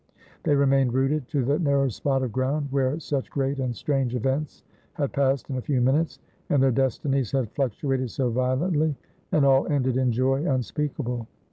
They remained rooted to the narrow spot of ground where such great and strange events had passed in a few minutes, and their destinies had fluctuated so violently, and all ended in joy unspeakable.